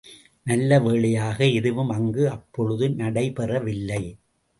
நல்ல வேளையாக எதுவும் அங்கு அப்பொழுது நடைபெறவில்லை.